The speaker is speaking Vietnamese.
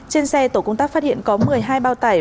trên xe tổ công tác phát hiện có một mươi hai bao tải